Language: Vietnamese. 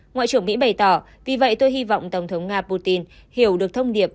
ngoại trưởng mỹ bày tỏ vì vậy tôi hy vọng tổng thống nga putin hiểu được thông điệp